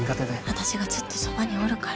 私がずっとそばにおるから。